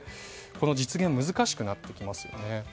この実現は難しくなってきますね。